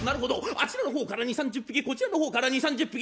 あちらの方から２０３０匹こちらの方から２０３０匹。